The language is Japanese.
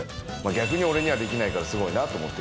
逆に俺にはできないからすごいなと思って。